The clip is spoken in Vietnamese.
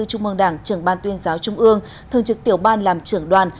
trung mương đảng trưởng ban tuyên giáo trung ương thường trực tiểu ban làm trưởng đoàn